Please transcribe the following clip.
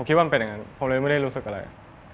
คิดว่ามันเป็นอย่างนั้นผมเลยไม่ได้รู้สึกอะไร